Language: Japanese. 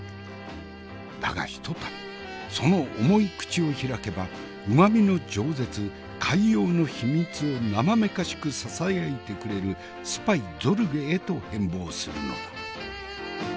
だがひとたびその重い口を開けば旨みの饒舌海洋の秘密をなまめかしくささやいてくれるスパイゾルゲへと変貌するのだ。